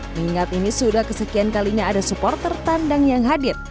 mengingat ini sudah kesekian kalinya ada supporter tandang yang hadir